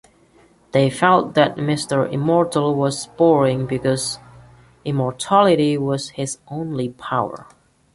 They felt that Mr Immortal was boring because immortality was his "only" power.